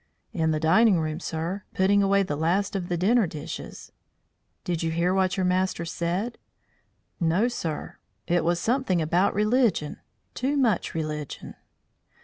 "In the dining room, sir, putting away the last of the dinner dishes." "Did you hear what your master said?" "No, sir; it was something about religion; too much religion."